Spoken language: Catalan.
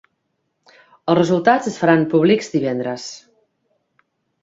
Els resultats es faran públics divendres.